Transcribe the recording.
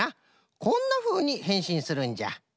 こんなふうにへんしんするんじゃ。